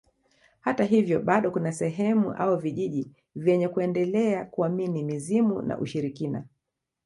Hata hivyo bado kuna sehemu au vijiji vyenye kuendelea kuamini mizimu na ushirikina